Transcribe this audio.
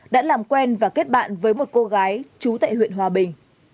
đã làm quen và kết bạn với một cô gái trú tại huyện hòa bình